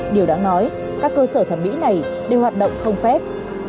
điều đáng nói các cơ sở thẩm mỹ này đều hoạt động không phép